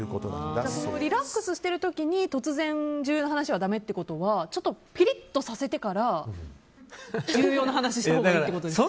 リラックスしてる時に突然、重要な話はだめってことはちょっとピリッとさせてから重要な話をしたほうがいいってことですか？